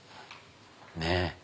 ねえ。